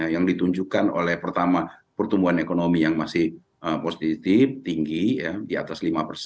yang ditunjukkan oleh pertama pertumbuhan ekonomi yang masih positif tinggi di atas lima persen